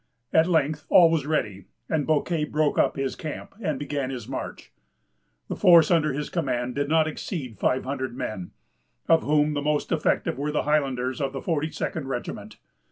At length all was ready, and Bouquet broke up his camp, and began his march. The force under his command did not exceed five hundred men, of whom the most effective were the Highlanders of the 42d regiment.